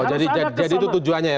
jadi itu tujuannya ya